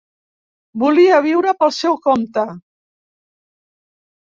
Volia viure pel seu compte.